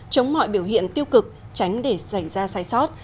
chống mọi biểu hiện tiêu cực tránh để xảy ra sai sót